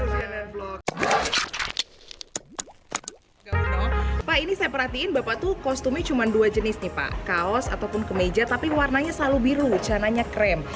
pak ini saya perhatiin bapak tuh kostumnya cuma dua jenis nih pak kaos ataupun kemeja tapi warnanya selalu biru cananya krem